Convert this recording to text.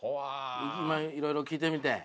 今いろいろ聞いてみて。